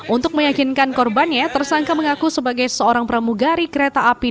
untuk meyakinkan korbannya tersangka mengaku sebagai seorang pramugari kereta api